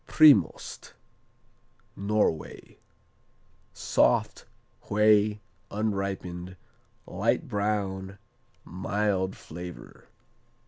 Primost Norway Soft; whey; unripened; light brown; mild flavor.